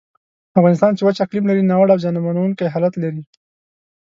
افغانستان چې وچ اقلیم لري، ناوړه او زیانمنونکی حالت لري.